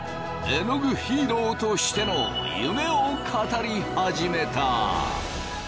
えのぐヒーローとしての夢を語り始めた。